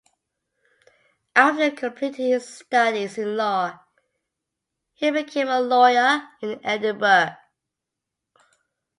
After completing his studies in law, he became a lawyer in Edinburgh.